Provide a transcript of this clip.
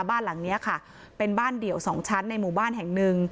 บ้านหลังนี้ค่ะเป็นบ้านเดี่ยวสองชั้นในหมู่บ้านแห่งหนึ่ง